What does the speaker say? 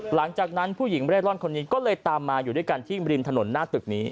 หลังจากนั้นผู้หญิงเร่ร่อนคนนี้ก็เลยตามมาอยู่ด้วยกันที่ริมถนนหน้าตึกนี้